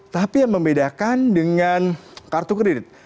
tapi yang membedakan dengan kartu kredit